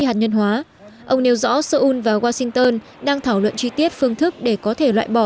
hạt nhân hóa ông nêu rõ seoul và washington đang thảo luận chi tiết phương thức để có thể loại bỏ